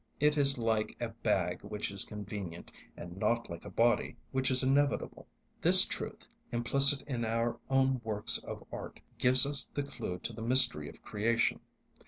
It is like a bag which is convenient, and not like a body which is inevitable. This truth, implicit in our own works of art, gives us the clue to the mystery of creation.